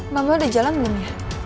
mama udah jalan belum ya